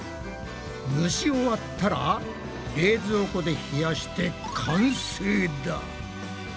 蒸し終わったら冷蔵庫で冷やして完成だ！